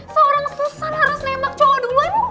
seorang susan harus nembak cowok duluan